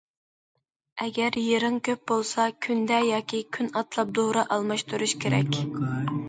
ئەگەر يىرىڭ كۆپ بولسا، كۈندە ياكى كۈن ئاتلاپ دورا ئالماشتۇرۇش كېرەك.